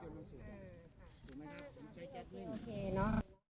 เป็นอพิธีโอเคนะ